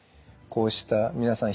こうした皆さん